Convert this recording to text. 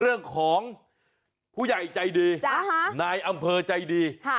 เรื่องของผู้ใหญ่ใจดีนายอำเภอใจดี